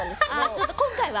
ちょっと今回は。